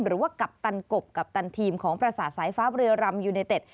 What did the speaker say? กัปตันกบกัปตันทีมของประสาทสายฟ้าเรือรำยูไนเต็ด